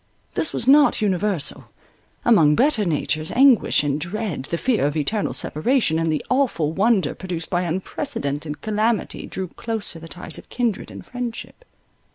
This was not universal. Among better natures, anguish and dread, the fear of eternal separation, and the awful wonder produced by unprecedented calamity, drew closer the ties of kindred and friendship.